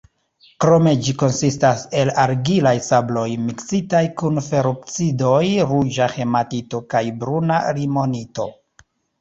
Krome ĝi konsistas el argilaj sabloj miksitaj kun feroksidoj: ruĝa hematito kaj bruna limonito.